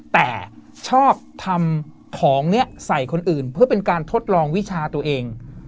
แต่ชอบทำของนี้ใส่คนอื่นเพื่อเป็นการทดลองวิชาตัวเอง